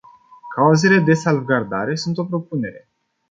Clauzele de salvgardare sunt o propunere.